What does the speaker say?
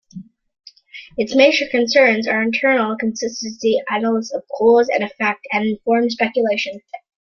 Its major concerns are internal consistency, analysis of cause and effect and informed speculation.